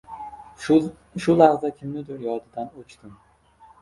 Shu lahza kimnidur yodidan o‘chdim